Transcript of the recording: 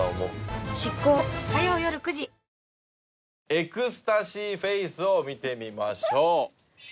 エクスタシーフェイスを見てみましょう。